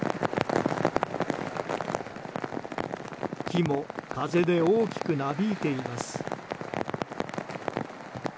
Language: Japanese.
木も風で大きくなびいています。